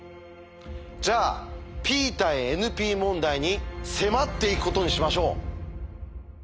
じゃあＰ対ＮＰ問題に迫っていくことにしましょう。